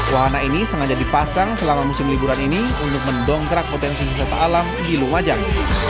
wahana ini sengaja dipasang selama musim liburan ini untuk mendongkrak potensi wisata alam di lumajang